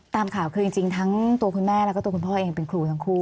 ตามข่าวคือจริงทั้งตัวคุณแม่แล้วก็ตัวคุณพ่อเองเป็นครูทั้งคู่